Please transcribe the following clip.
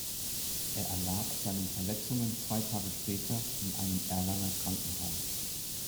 Er erlag seinen Verletzungen zwei Tage später in einem Erlanger Krankenhaus.